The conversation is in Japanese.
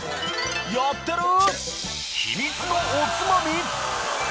やってる？